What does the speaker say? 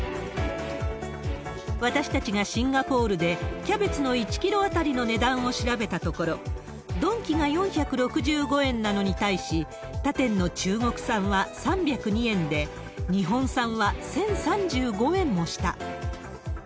私たちがシンガポールで、キャベツの１キロ当たりの値段を調べたところ、ドンキが４６５円なのに対し、他店の中国産は３０２円で、日本産は１０３５円もした。